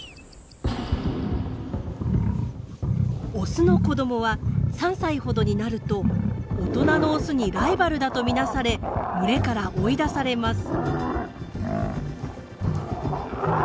オスの子どもは３歳ほどになると大人のオスにライバルだと見なされ群れから追い出されます。